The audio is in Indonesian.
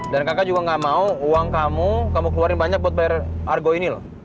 dan kakak juga nggak mau uang kamu kamu keluarin banyak buat bayar argo ini loh